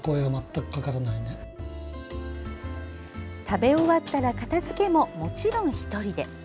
食べ終わったら片づけももちろん１人で。